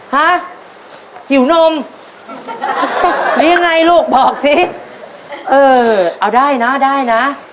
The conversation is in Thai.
ฮะหิวนมหรือยังไงลูกบอกสิเออเอาได้นะได้นะ